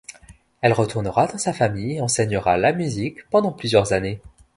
Elle retournera dans sa famille et enseignera la musique pendant plusieurs années.